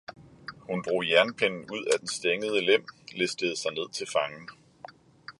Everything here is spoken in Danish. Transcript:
hun drog Jernpinden ud af den stængede Lem, listede sig ned til Fangen.